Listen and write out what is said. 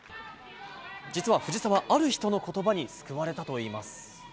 実は藤澤、ある人のことばに救われたといいます。